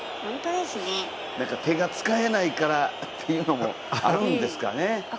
手が使えないからというのもあるんですかね。